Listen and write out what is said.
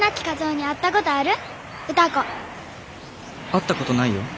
「会ったことないよ